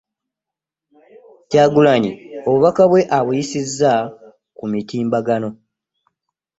Kyagulanyi obubaka bwe abuyisizza ku mitimbagano